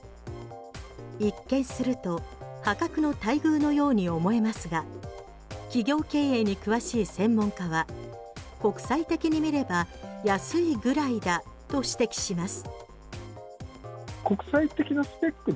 一見すると破格の待遇のように思えますが企業経営に詳しい専門家は国際的に見れば安いぐらいだと指摘します。